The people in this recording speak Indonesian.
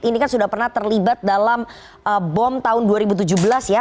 ini kan sudah pernah terlibat dalam bom tahun dua ribu tujuh belas ya